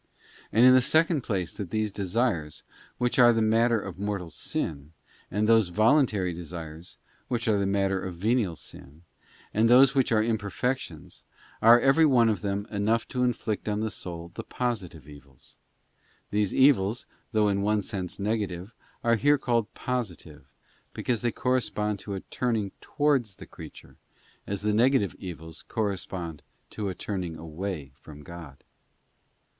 And in the second place that all these desires, those which are the matter of mortal sin, and those voluntary desires, which are matter of venial sin, and those which are imperfections, are, every one of them, enough to inflict on the soul the positive evils. These evils, though in one sense negative, are here called positive, because they correspond to a turning towards the creature, as the negative evils correspond to a turning away from God.